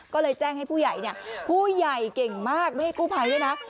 ก็เลยแจ้งให้ผู้ใหญ่เนี่ยผู้ใหญ่เก่งมากไม่ให้กู้ภัยด้วยนะ